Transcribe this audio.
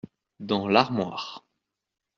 Dans l’armoire.